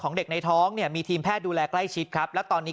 เด็กในท้องเนี่ยมีทีมแพทย์ดูแลใกล้ชิดครับแล้วตอนนี้